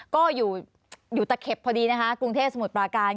ก็อยู่ตะเข็บพอดีนะคะกรุงเทพสมุทรปราการ